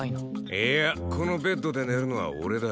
いやこのベッドで寝るのは俺だ。